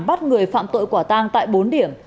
bắt người phạm tội quả tang tại bốn điểm